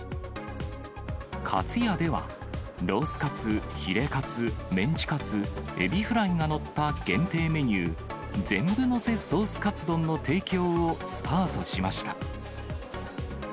かつやでは、ロースカツ、ヒレカツ、メンチカツ、海老フライが載った限定メニュー、全部のせソースカツ丼の提供をスタートしました。